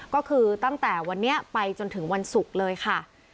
ก็คือตั้งแต่วันนี้ไปจนถึงวันศุกร์เลยค่ะ